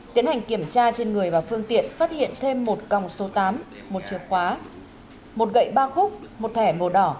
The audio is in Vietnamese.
tiến hành kiểm tra trên người và phương tiện phát hiện thêm một còng số tám một chìa khóa một gậy ba khúc một thẻ màu đỏ